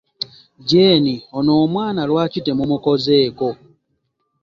Jeeni, ono omwana lwaki temumukozeeko?